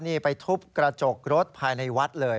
นี่ไปทุบกระจกรถภายในวัดเลย